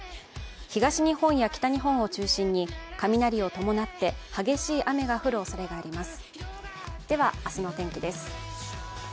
東日本や北日本を中心に雷を伴って激しい雨が降るおそれがあります。